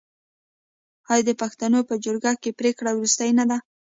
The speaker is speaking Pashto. آیا د پښتنو په جرګه کې پریکړه وروستۍ نه وي؟